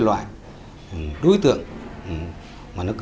với những loại đối tượng mà nó from the tourel snapsờ của bọn chúng ta